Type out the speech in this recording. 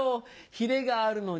ヒレがあるのに。